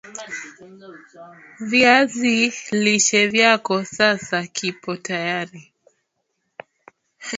viazi lishe vyako sasa kipo tayari